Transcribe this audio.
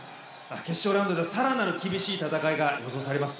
決勝ラウンドではさらなる厳しい戦いが予想されます。